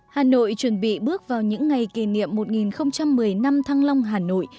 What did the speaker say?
hà nội chuẩn bị bước vào những ngày kỷ niệm một nghìn một mươi năm thăng long hà nội